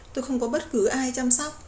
tôi không có bất cứ ai chăm sóc